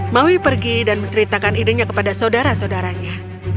maui pergi dan menceritakan idenya kepada saudara saudaranya